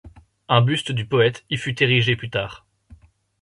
Un buste du poète y fut érigé plus tard.